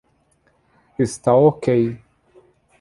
Está ok